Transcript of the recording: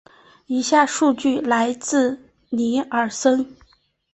以下数据来自尼尔森。